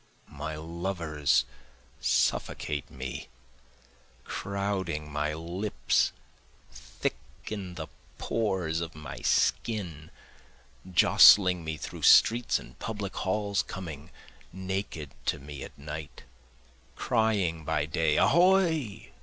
My lovers suffocate me, Crowding my lips, thick in the pores of my skin, Jostling me through streets and public halls, coming naked to me at night, Crying by day, Ahoy!